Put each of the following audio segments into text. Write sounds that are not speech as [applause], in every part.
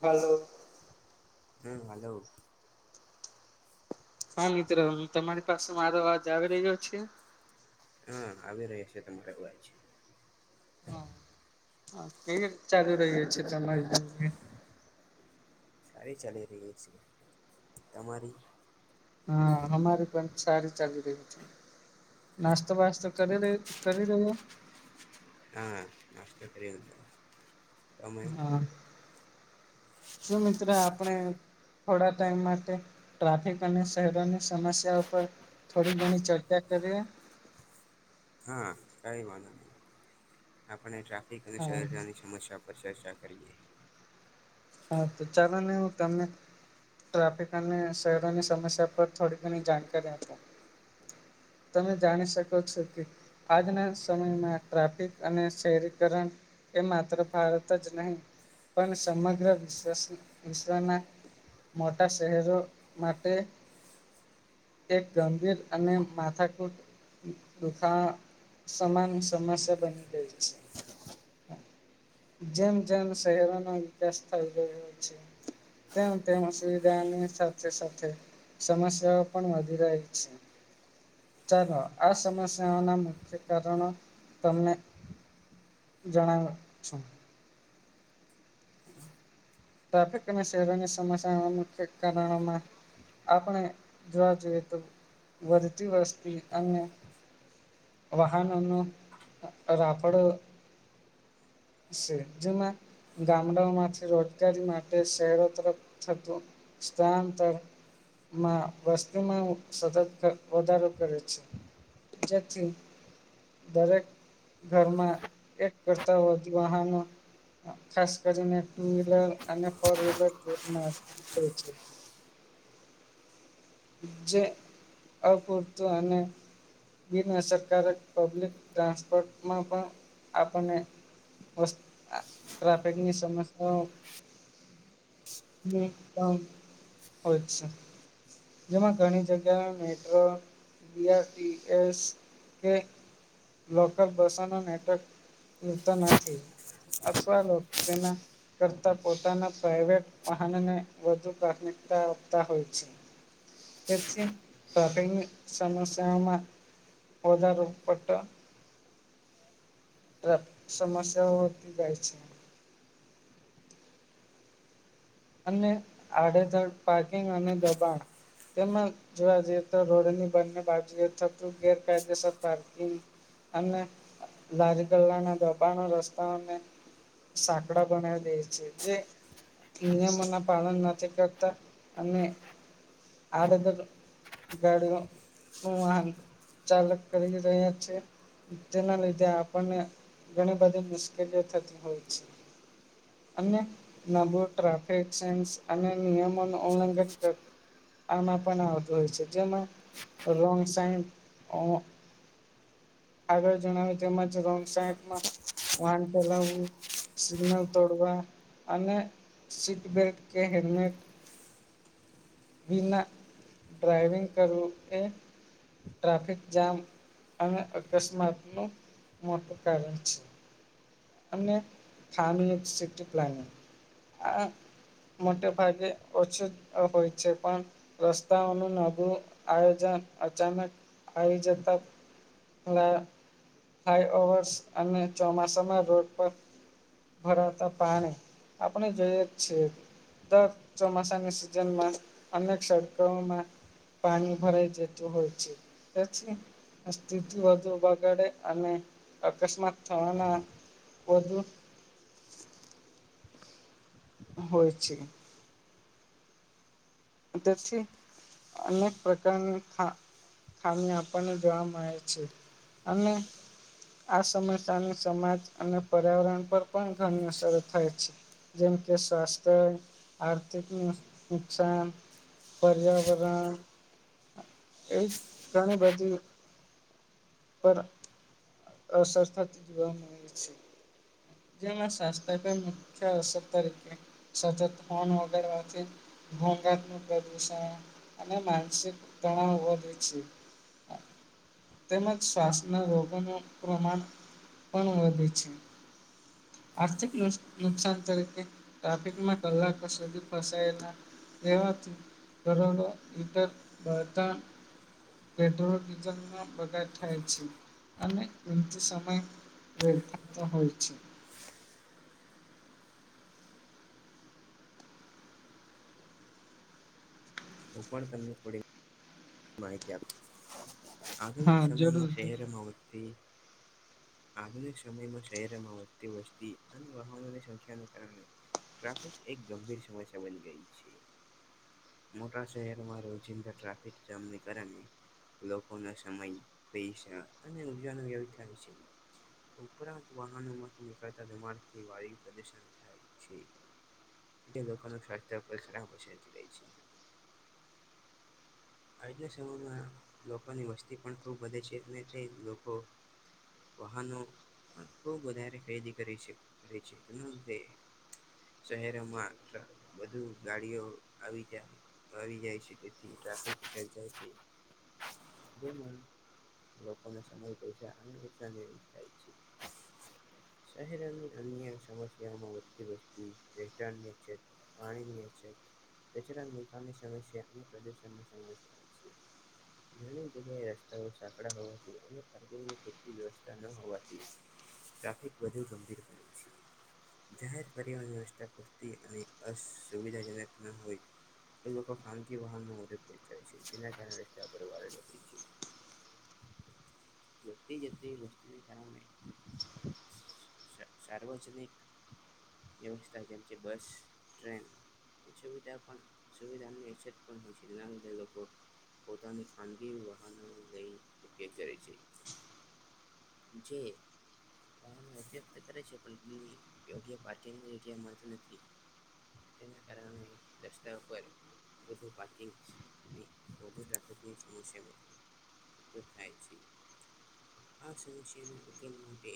Hello! હમ hello, હા, મિત્ર તમારી પાસે મારો અવાજ આવી રહ્યો છે? હા આવી રહ્યો છે, તમારે ઉવાજ. હા, કેવી રીત ચાલુ રહયુ છે તમારી સાથે? સારી ચાલી રહી છે. તમારી? હા હમારે પણ, સારી ચાલી રહી છે. નાસ્તો વાસ્તો કરી કરી રહ્યો? હા નાસ્તો કરયો. હા, સુ મિત્ર આપણે? થોડા ટાઈમ માટે, ટ્રાફિક અને શહેરોની સમસ્યા પર થોડી ઘણી ચર્ચા, કરીએ. હા કઈ વાંધો નહી. આપણે ટ્રાફિક અને હા શહેરની સમસ્યા ઉપર ચર્ચા કરીએ. હા, તો ચાલો ને હું તમને ટ્રાફિક અને શહેરોની સમસ્યા પર થોડી ઘણી જાણકારી આપો. તમે જાણી શકો છો કે, આજના સમયમાં ટ્રાફિક અને શહેરીકરણ એ માત્ર ભારત જ નહીં. પણ સમગ્ર વિશ્વસ, વિશ્વના મોટા શહેરો માટે એક ગંભીર અને માથાકૂટ દુખા સમાન સમસ્યા બની ગઈ છે. જેમ જેમ, શહેરોનો વિકાસ થઈ રહ્યો છે. તેમ તેમ, સુવિધાની સાથે સાથે સમસ્યાઓ પણ વધી રહી છે. ચાલો, આ સમસ્યાઓના મુખ્ય કારણો તમને જણાવ છો. ટ્રાફિક અને શેરોની સમસ્યામાં મુખ્ય કારણોમાં આપણે જોવા જોઈએ, તો વધતી વસ્તી અને વાહનોનું રાપડ છે જેમાં, ગામડાઓ માંથી રોજગારી માટે શહેરો તરફ થતું સ્થાનંતર મા વસ્તુમાં સતત વધારો કરે છે. જેથી, દરેક ઘરમાં એક કરતા વધ વાહનો ખાસ કરીને ટુ વ્હીલર અને ફોર વ્હીલર [inaudible] જે અપૂરતું અને બિનઅસરકારક પબ્લિક ટ્રાન્સપોર્ટમાં પણ આપણને ટ્રાફિકની સમસ્યાઓ [unintelligible] હોય છે. જેમાં ઘણી જગ્યા મેટ્રો બીઆરટીએસ કે લોકલ બસોના નેટવર્ક મલતા નથી. અથવા તો તેના કરતા પોતાના પ્રાઈવેટ વાહનને વધુ પ્રાથમિક તા આપતા હોય છે. તેથી ટ્રાફિકની સમસ્યાઓમાં [unintelligible] ટ્રફ સમસ્યા વધતી જાય છે. અને આડેધડ પાર્કિંગ અને દબાણ તેમ જ જોવા જઈએ તો રોડની બંને બાજુએ થતું ગેરકાયદેસર પાર્કિંગ અને લારીગલ્લા ના દબાણો રસ્તાઓને સાકડા બનાવી દે છે જે નિયમોના પાલન નથી કરતા અને આડેધડ ગાડીઓ વાહન ચાલક કરી રહ્યા છે. તેના લીધે આપણને ઘણી બધી મુશ્કેલીઓ થતી હોય છે. અને નાભો ટ્રાફિક સેન્સ અને નિયમોનું ઉલ્લંઘન કર આમાં પણ આવતું હોય છે જેમાં રોંગ સાઈડ અ આગળ જણાવ્યું તેમ જ રોંગ સાઇડમાં વાન ચલાવવું સિગનલ તોડવા અને સીટ બેલ્ટ કે હેલ્મેટ વિના ડ્રાઈવિંગ કરવુ કે ટ્રાફિક જામ અને અકસ્માતનું મોટું કારણ છે. અને સ્થાનીય એક્સેપ્ટ પ્લાનિંગ આ મોટે ભાગે ઓછું હોય છે પણ રસ્તાઓનું નવું આયોજન અન અચાનક આવી જતા ફલાય ફ્લાય ઓવર્સ અને ચોમાસામાં રોડ પર ભરાતા પાણી આપણે જોઈએ જ છીએ. દર ચોમાસાની સિઝનમાં અને [unintelligible] પાણી ભરાઇ જતું હોય છે, પછી અસ્તિત્વ વધુ બગાડે અને અકસ્માત થવાના પદ હોય છે. તેથી અનેક પ્રકારના ખામી આપણને જોવા મળે છે અને આ સમસ્યાની સમાજ અને પર્યાવરણ પર પણ ઘણી અસર થાય છે. જેમ કે સ્વાસ્થ્ય આર્થિકનું નુકસાન પર્યાવરણ એ ઘણી બધી પર અસર થતી જોવા મળે છે. જેમાં શસ્ત્ર મુખ્ય અસર તરીકે સતત ફોન વગેરથી ભંગાત્મું પ્રદૂષણ અને માનસિક તણાવ વધે છે. [inaudible] તેમજ શ્વાસના રોગોનું પ્રમાણ પણ વધે છે. આર્થિક નુસ નુકસાન તરીકે ટ્રાફિકમાં કલાકો સુધી ફસાયેલા તેમાંથી ઘરોડો ઇતર બળતણ પેટ્રોલ ડીઝલનો બગાર થાય છે. અને કિન્તુ સમય વધાંત હોય છે. હું પણ તમને થોડી માહિતી આપુ આઘુનિક હા જરૂર સમેયમાં જરૂર. શેરમાં વચે આધુનિક સમયમાં શહેરોમાં વધતી વસ્તી અને વાહનોની સંખ્યાને કારણે ટ્રાફિક એક ગંભીર સમસ્યા બની ગઈ છે મોટા શહેરમાં રોજિંદા ટ્રાફિક જામને કારણે લોકોનો સમય પૈસા અને રુપિયાના મેળ થાય છે ઉપરાંત વાહનો મા નીકળતા ધુમાડાથી વાયુ પ્રદુશન થાય છે જે લોકોનું સ્વાસ્થ્ય પરીસરામ છે આજના સમયમાં લોકોની વસ્તી પણ ખૂબ વધે છે અને તે લોકો વાહનો બહુ વધારે ખરીદી કરે છે કરે છે શહેરોમાં વઘુ ગાડીઓ આવી જાય આવી જાય છે તેથી ટાફિક [unintelligible] લોકોને સમય પૈસા અને ઉત્સા થાય છે શહેરની અન્ય સમસ્યામાં વધતી વસ્તી વેચાણ નીચે પાણીની નિકાલની સમસ્યા અને પ્રદણની સમ્યા [inaudible] નાની જગ્યાએ રસ્તાઓ સાકડા હોવાથી અને કારગની પૂતી વ્યવસ્થા ન હોવાથી ટ્રાફિક વધુ ગંભીર બાય છે જાહેર પરિવહન વ્યવસ્થા પૂરતી અને અસુવિધાજનક ના હોય એ લોકો ખાનકી વાહન ન મોજ થ [inaudible] વધતી જતી વસ્તુ ખ [unintelligible] શાવજનીક વ્યવસ્થિત બસ ટ્રેન સુવિધા પણ સુવિધાની અછત પણ હોય છે લોકો પોતાની ખાનગી વહનો લઈ ઉપયોગ કરે છે જે વાહનો ઉપયોગ કરે છે પણ યોગ્ય પાર્કિંગ જગ્યામાં નથી તેના કારણે રસ્તા પરુ પાર્કિંગ ઉત્પન્ન થાય છે આ સમસ્યાના ઉકેલ માટે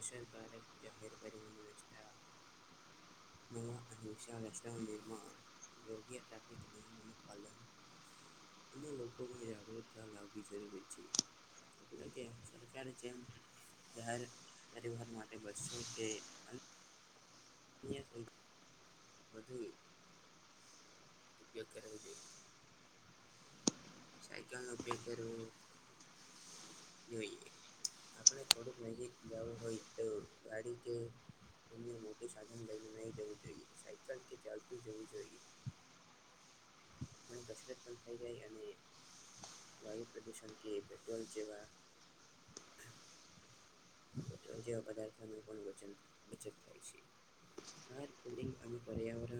અસરકારક જાહેર પરિવહન વ્યવસ્થા નવા અહિંસા રસ્તાઓ નિર્માણ અ લોકોમાં જાગૃતતા લાવવી જરૂરી છે કારણ કે સર સરકારારે છે ઐમ જાહેર પરિવાર માટે બસસો કે અને અઈયાકોઈ વધુએ ઉપયોગ કરવો જોઈ કરવો જોઈએ આપણે થોડુંક નજીક જવું હોય તો ગાડી કે અન્ય મોટું સાધન લઈને નહીં જવું જોઈએ સાયકલ કે પણ કસરત પણ થઈ જાય અને વાયુ પ્રદૂષણ કે પેટ્રોલ જેેવા [inaudible] જેવા પદાર્થોનું પણ વચન બચત થાય છે આ પિંગ પર્યાવર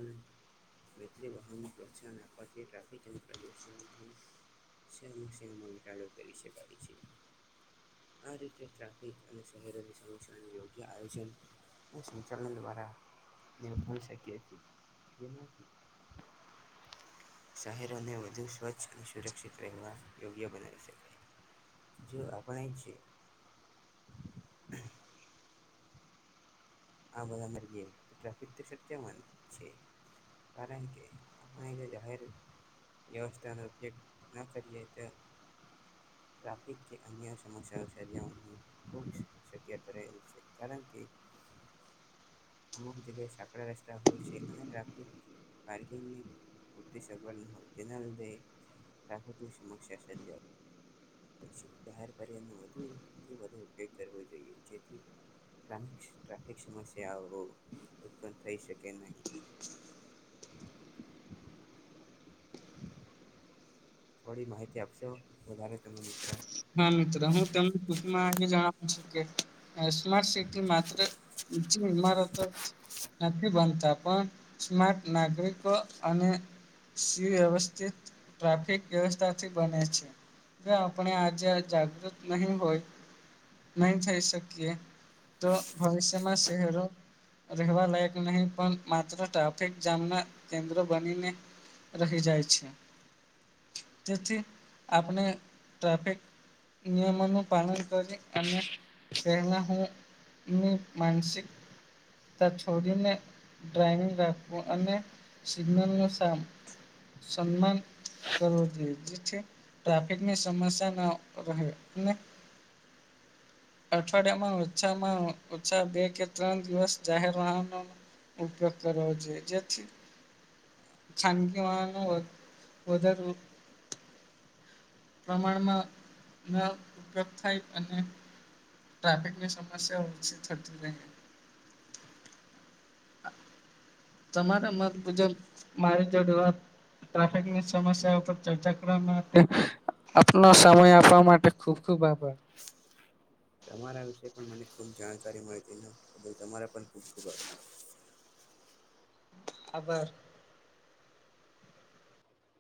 વચે વાહનને પ્રોત્સાહન આપવાથી ટ્રાફિક અને પ્રદૂષણ સેમા સેના ઘટાડો કરી શકાય છે આ રીતે તયા એ કારણ શહેરનુ સમસ્યા યોગ્ય આયોજન અને સંચાલન દ્વારા મળી શકી છીએ એ શહેરોને વધુ સ્વચ્છ અને સુરક્ષિત રહેવા યોગ્ય બનાવી શકાય જો આપણે છે [inaudible] આ બધા મર ગે તો ટ્રાફિક તો ચર્ચાવાન છે કારણ કે અ જે જાહેર વ્યવસ્થાનો ઉપયોગ ના કરીએ તો [inaudible] ટ્રાફિક કે અન્ય સમસ્યાઓ સર્જવાનું ખૂબ શક્યતા રહેલી છે કારણ કે [inaudible] અમુક જગ્યા સાકડા રસ્તા હોય છે અને ટ્રાફિક પાર્કિંગની પૂરતી સગવડ ની હોયે તેના લીધે પ્રાકૃતિક સમશ્યા સરજાય છ બહાર પર્યનો વધુથી વધુ ઉપયોગ કરવો જોઈએ જેથી ટ્રાફિક ટ્રાફિક સમસ્યા [unintelligible] ઉત્પન્ન થઈ શકે નહી થોડી માહિતી આપશો વધારે તમે મિત્રો હા મિત્ર હું તેમ મા જણાવું છું કે સ્માર્ટ સિટી માત્ર ઉચી ઇમારતો નથી બનતા પણ સ્માર્ટ નાગરિકો અને સુવ્યવસ્થિત ટ્રાફિક વ્યવસ્થાથી બને છે [unintelligible] આપણે આજે જાગૃત નહી હોય નહી થઈ શકીએ તો ભવિષ્યમાં શહેરો રહેવા લાયક નહી પણ માત્ર ટ્રાફિક જામના કેન્દ્ર બનીને રહી જાય છે તેથી આપણે ટ્રાફિક નિયમોનું પાલન કરી અને તેના હું ની માનસિકતા છોડીને ડ્રાઈવિંગ રાખવું અને સિગ્નલ નું સામ સન્માન કરવો જોઈએ જે ટ્રાફિકને સમસ્યા ન રહે અઠવાડિયામાં ઓછામાં ઓછા બે કે ત્રણ દિવસ જાહેર વાહ ઉપયોગ કરો જે જેથી ખાનગીવાનો વધરે પ્રમાણમાં ના ઉપયોગ થાય અને ટ્રાફિક ને સમસ્યા ઓછી થતી રેહ તમારા મત મુજબ મારી જોડવાત ટ્રાફિક ની સમસ્યા ઉપરે ચર્ચા કરવામાં માતે આપનો સમય આપવા માટે ખુબ ખુબ આભાર તમારા વિશે પણ મને ખુબ જાણકારી મળીતી બ તમારા પણ ખુબ ખુબ આભાર [inaudible] આભાર